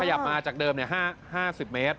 ขยับมาจากเดิม๕๐เมตร